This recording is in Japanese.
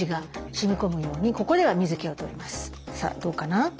さあどうかな。